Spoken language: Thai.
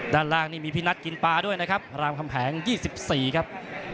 ด้านล่างนี่มีพี่นัทกินปลาด้วยนะครับรามคำแหง๒๔ครับ